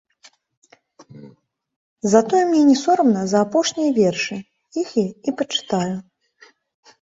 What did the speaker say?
Затое мне не сорамна за апошнія вершы, іх я і пачытаю.